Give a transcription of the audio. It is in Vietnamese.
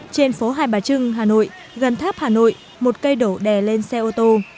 trên phố hai bà trưng hà nội gần tháp hà nội một cây đổ đè lên xe ô tô